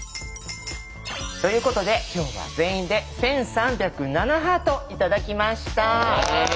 ということで今日は全員で１３０７ハート頂きました。